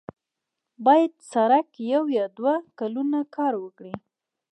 باید سړک یو یا دوه کلونه کار ورکړي.